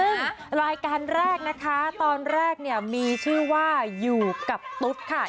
ซึ่งรายการแรกนะคะตอนแรกเนี่ยมีชื่อว่าอยู่กับตุ๊ดค่ะ